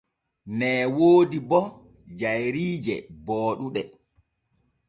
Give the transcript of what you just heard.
Nee woodi bo jayriije booɗuɗe.